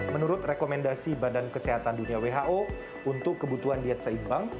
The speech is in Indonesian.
menurut rekomendasi badan kesehatan dunia who untuk kebutuhan diet seimbang